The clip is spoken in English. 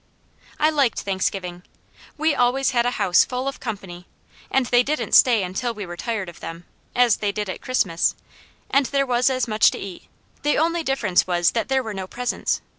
I liked Thanksgiving. We always had a house full of company, and they didn't stay until we were tired of them, as they did at Christmas, and there was as much to eat; the only difference was that there were no presents.